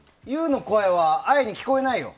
Ｙｏｕの声はＩに聞こえないよ。